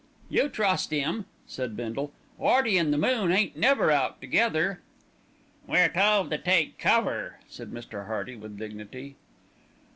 "You trust 'im," said Bindle. "'Earty an' the moon ain't never out together." "We are told to take cover," said Mr. Hearty with dignity.